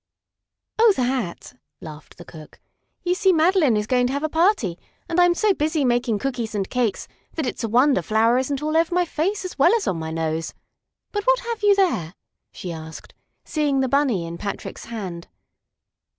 "Oh, that!" laughed the cook. "You see, Madeline is going to have a party, and I'm so busy making cookies and cakes that it's a wonder flour isn't all over my face as well as on my nose. But what have you there?" she asked, seeing the Bunny in Patrick's hand.